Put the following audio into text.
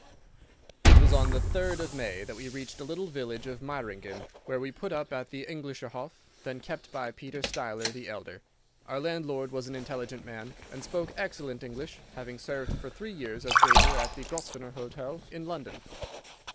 It was on the 3rd of May that we reached the little village of Meiringen, where we put up at the Englischer Hof, then kept by Peter Steiler the elder. Our landlord was an intelligent man, and spoke excellent English, having served for three years as waiter at the Grosvenor Hotel in London.